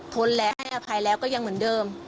ทนและให้อภัยแล้วก็ยังเหมือนเดิม